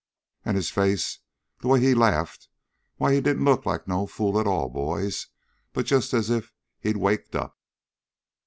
And his face the way he laughed why he didn't look like no fool at all, boys. But just as if he'd waked up!"